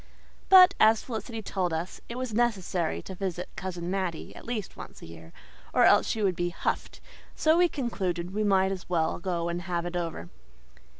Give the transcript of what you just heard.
But, as Felicity told us, it was necessary to visit Cousin Mattie at least once a year, or else she would be "huffed," so we concluded we might as well go and have it over.